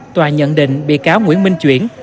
tòa nhận định bị cáo nguyễn minh chuyển